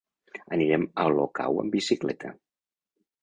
Anirem a Olocau amb bicicleta.